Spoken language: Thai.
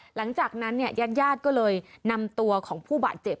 หลังจากนั้นเนี่ยญาติญาติก็เลยนำตัวของผู้บาดเจ็บ